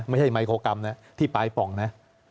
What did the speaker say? ไม่ใช่ไมโครกรัมนะที่ปลายป่องนะ